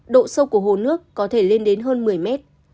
độ sâu của hồ nước có thể lên đến hơn một mươi mét